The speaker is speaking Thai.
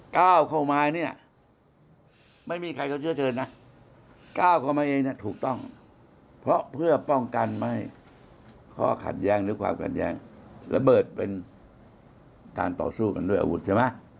ที่ต้องกันมาให้ข้อขัดแย้งหรือความขัดแย้งระเบิดเป็นทางต่อสู้กันด้วยอาวุธใช่ไหม